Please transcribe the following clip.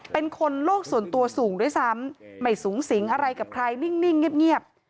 เป็นคนโลกส่วนตัวสูงด้วยซ้ำไม่สูงสิงอะไรกับใครนิ่งเงียบ